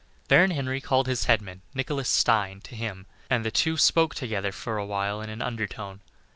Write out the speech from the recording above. Baron Henry called his head man, Nicholas Stein, to him, and the two spoke together for a while in an undertone.